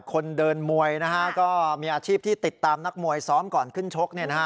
คนเดินมวยนะฮะก็มีอาชีพที่ติดตามนักมวยซ้อมก่อนขึ้นชก